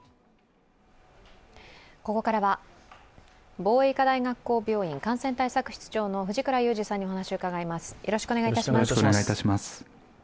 ここからは防衛医科大学校病院感染対策室長の藤倉雄二さんにお話を伺います。